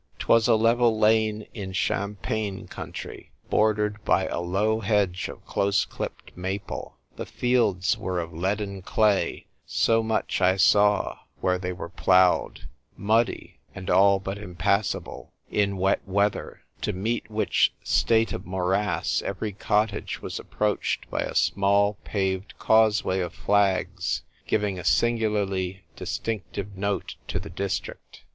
'Twas a level iane in champaign country, bordered by a low hedge of close clipped maple. The fields were of leaden clay — so much I saw where they were ploughed — muddy, and all but impassable in wet ♦ VIVE l'anarchie !' 53 weather, to meet which state of morass every cottage was approached by a small paved causeway of flags, giving a singularly distinc tive note to the district.